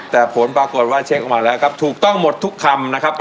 แต่ผลปรากฏว่าเช็คออกมาแล้วครับถูกต้องหมดทุกคำนะครับ